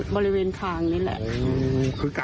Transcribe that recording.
บริเวณทางนี่แหละ